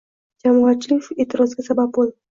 Jamoatchilik e'tiroziga sabab bo'ldi.